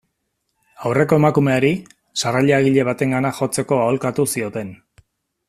Aurreko emakumeari, sarrailagile batengana jotzeko aholkatu zioten.